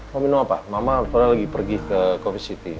mau minum apa pak mama soalnya lagi pergi ke covist city